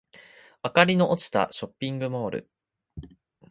明かりの落ちたショッピングモール